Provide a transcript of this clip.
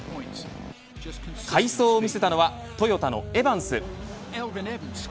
快走を見せたのはトヨタのエバンス。